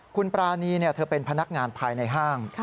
คุณปรานีเธอเป็นพนักงานภายในห้าง